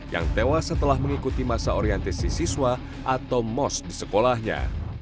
yang tewas setelah mengikuti masa orientasi siswa atau mos di sekolahnya